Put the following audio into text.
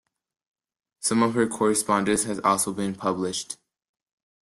Some of her correspondence has also been published.